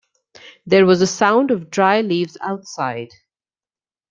There was a sound of dry leaves outside.